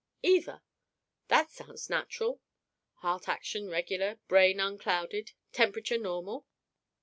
"Either." "That sounds natural! (Heart action regular; brain unclouded; temperature normal.)